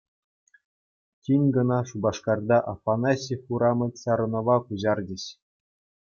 Тин кӑна Шупашкарта «Афанасьев урамӗ» чарӑнӑва куҫарчӗҫ.